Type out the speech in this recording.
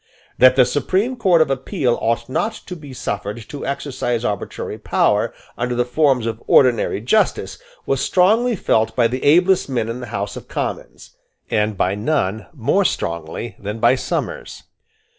That the supreme Court of Appeal ought not to be suffered to exercise arbitrary power, under the forms of ordinary justice, was strongly felt by the ablest men in the House of Commons, and by none more strongly than by Somers.